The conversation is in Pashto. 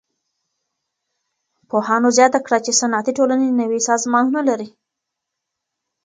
پوهانو زياته کړه چي صنعتي ټولني نوي سازمانونه لري.